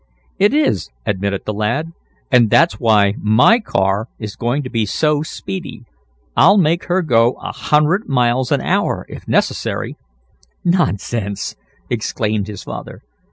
"It is," admitted the lad, "and that's why my car is going to be so speedy. I'll make her go a hundred miles an hour, if necessary!" "Nonsense!" exclaimed his father.